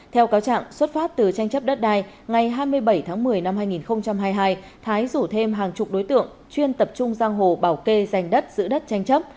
theo cáo trạng xuất phát từ tranh chấp đất đai ngày hai mươi bảy tháng một mươi năm hai nghìn hai mươi hai thái rủ thêm hàng chục đối tượng chuyên tập trung giang hồ bảo kê giành đất giữ đất tranh chấp